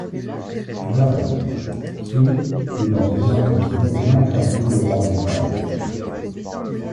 Jarrets, pieds et dans une moindre mesure mains teintés d’orangé pâle.